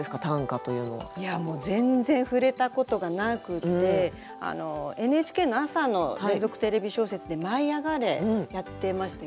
いやもう全然触れたことがなくてＮＨＫの朝の連続テレビ小説で「舞いあがれ！」やってましたよね。